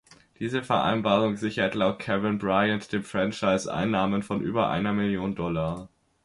Diese Vereinbarung sichert laut Karen Bryant dem Franchise Einnahmen von über einer Million Dollar.